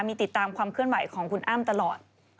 มีติดตามความเคลื่อนไหวของคุณอ้ำตลอด